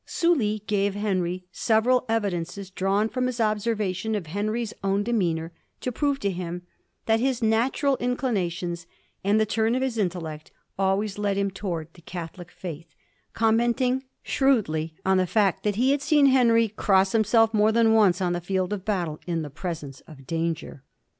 Sully gave Henry several evidences, drawn from his observation of Henry's own demeanour, to prove to him that his natural inclinations and the turn of his intellect always led him towards the Catholic faith, commenting shrewdly on the fact that he had seen Henry cross himself more than once on the field of battle in the presence of danger.